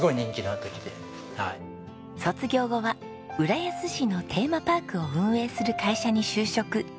卒業後は浦安市のテーマパークを運営する会社に就職。